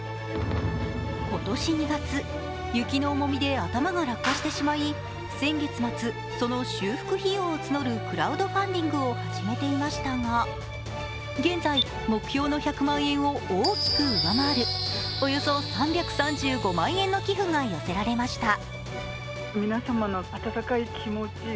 今年２月、雪の重みで頭が落下してしまい、先月末、その修復費用を募るクラウドファンディングを始めていましたが現在、目標の１００万円を大きく上回るおよそ３３５万円の寄付が寄せられました。